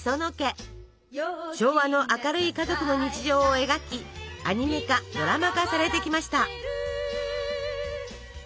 昭和の明るい家族の日常を描きアニメ化ドラマ化されてきました。